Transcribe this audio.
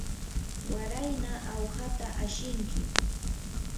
warayna awhata ashinki.